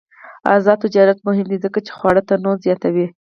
آزاد تجارت مهم دی ځکه چې خواړه تنوع زیاتوي.